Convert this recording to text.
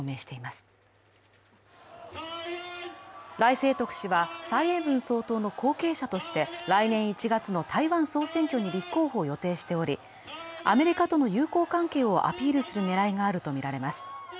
清徳氏は蔡英文総統の後継者として来年１月の台湾総統選に立候補を予定しておりアメリカとの友好関係をアピールする狙いがあるとみられます。